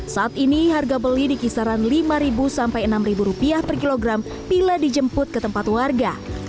saat ini harga beli dikisaran lima enam rupiah per kilogram bila dijemput ke tempat warga